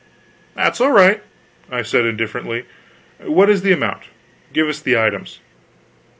"That's all right," I said, indifferently. "What is the amount? give us the items."